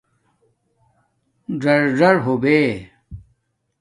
ژَرژر ہو بے